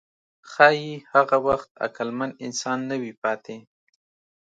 ښایي هغه وخت عقلمن انسان نه وي پاتې.